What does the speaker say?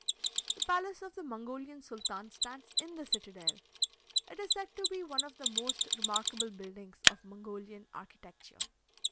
The palace of the Mongolian Sultan stands in the citadel. It is said to be one of the most remarkable buildings of Mongolian architecture.